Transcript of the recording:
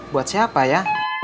buat siapa ya